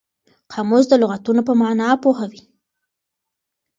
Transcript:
قاموس د لغتونو په مانا پوهوي.